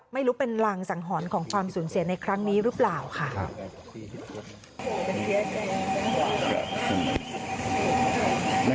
ไม่รู้เป็นรังสังหรณ์ของความสูญเสียในครั้งนี้หรือเปล่าค่ะ